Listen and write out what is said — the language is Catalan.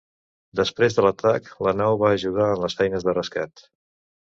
Després de l'atac, la nau va ajudar en les feines de rescat.